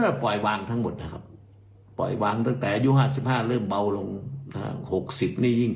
แล้วปล่อยวางทั้งหมดครับปล่อยวางป่ะยูหาสิบห้าเรื่องเบาลงหกสิบนี่ยิ่ง